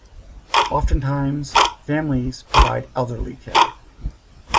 Oftentimes, families provide elderly care.